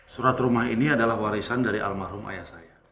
surat rumah ini adalah warisan dari almarhum ayah saya